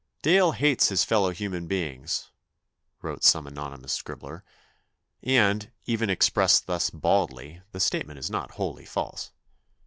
"Dale hates his fellow human beings," wrote some anonymous scrib bler, and, even expressed thus baldly, the statement is not wholly false.